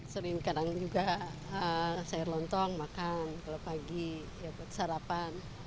sering kadang juga sayur lontong makan kalau pagi ya buat sarapan